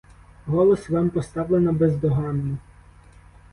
Голос вам поставлено бездоганно.